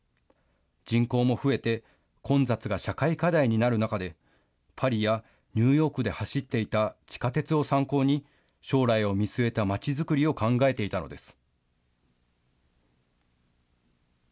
人口も増えて、混雑が社会課題になる中で、パリやニューヨークで走っていた地下鉄を参考に、将来を見据えたまちづくりを考えていたのです。